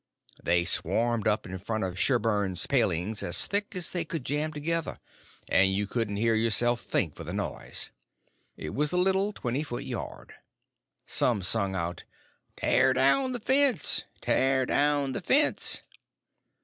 They swarmed up in front of Sherburn's palings as thick as they could jam together, and you couldn't hear yourself think for the noise. It was a little twenty foot yard. Some sung out "Tear down the fence! tear down the fence!"